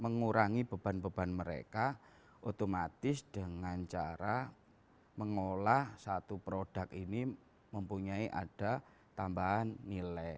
mengurangi beban beban mereka otomatis dengan cara mengolah satu produk ini mempunyai ada tambahan nilai